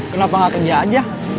kenapa gak kerja aja